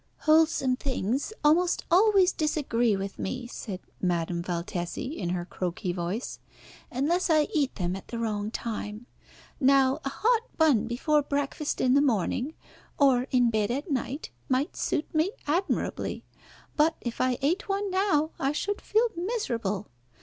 "Wholesome things almost always disagree with me," said Madame Valtesi, in her croaky voice, "unless I eat them at the wrong time. Now, a hot bun before breakfast in the morning, or in bed at night, might suit me admirably; but if I ate one now, I should feel miserable.